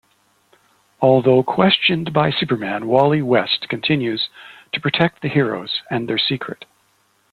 Although questioned by Superman, Wally West continues to protect the heroes and their secret.